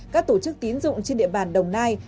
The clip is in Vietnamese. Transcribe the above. các tổ chức tín dụng trên địa bàn đồng nai